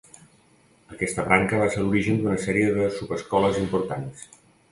Aquesta branca va ser l'origen d'una sèrie de subescoles importants.